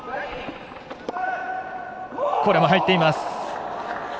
これも入っています。